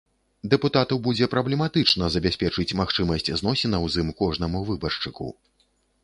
Дэпутату будзе праблематычна забяспечыць магчымасць зносінаў з ім кожнаму выбаршчыку.